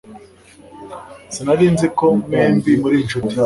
Sinari nzi ko mwembi muri inshuti